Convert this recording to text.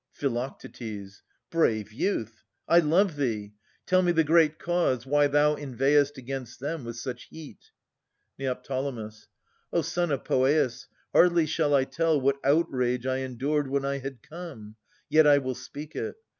Phi. Brave youth I I love thee. Tell me the great cause Why thou inveighest against them with such heat? Ned. O son of Poeas, hardly shall I tell What outrage I endured when I had come; Yet I will speak it.